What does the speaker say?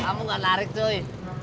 kamu gak larik coy